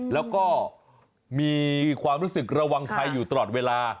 แล้วก็มีความรู้สึกระวังใครอยู่ตลอดเวลา